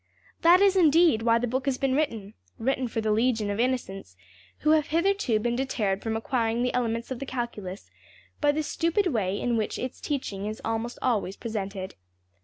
} That is, indeed, why the book has been written written for the legion of innocents who have hitherto been deterred from acquiring the elements of the calculus by the stupid way in which its teaching is almost always presented.